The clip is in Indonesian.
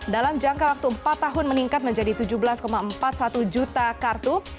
dalam jangka waktu empat tahun meningkat menjadi tujuh belas empat puluh satu juta kartu